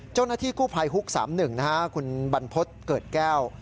เจ้าหน้าที่กู้ไผ่ฮุก๓๑นะฮะคุณบรรพศเกิดแก้ว